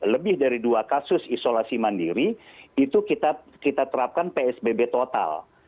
lebih dari dua kasus isolasi mandiri itu kita terapkan psbb total